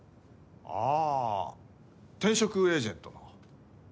あぁ転職エージェントの。